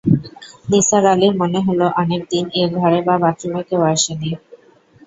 নিসার আলির মনে হল, অনেক দিন এ ঘরে বা বাথরুমে কেউ আসে নি!